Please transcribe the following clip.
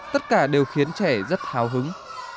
tất cả đều khiến trẻ rất tháo hứng